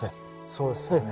そうですよね。